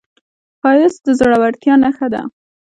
ښایست د زړورتیا نښه ده